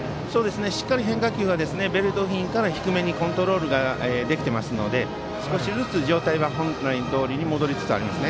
しっかり変化球がベルト付近から低めにコントロールできているので少しずつ状態は本来どおりに戻りつつあります。